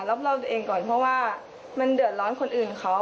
รอบตัวเองก่อนเพราะว่ามันเดือดร้อนคนอื่นเขา